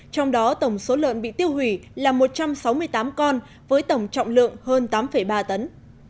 trong đó tổng số lợn bị tiêu hủy là một trăm sáu mươi tám con với tổng trọng lượng hơn tám ba tấn